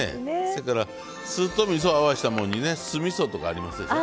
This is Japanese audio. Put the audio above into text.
せやから酢とみそを合わせたもんにね酢みそとかありますでしょ。